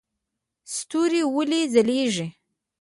ستوري ولې ځلیږي؟